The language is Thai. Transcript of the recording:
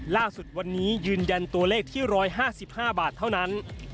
ล่าสุดวันนี้ยืนยันตัวเลขที่๑๕๕บาทเท่านั้น